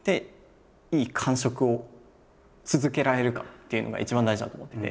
っていうのが一番大事だと思ってて。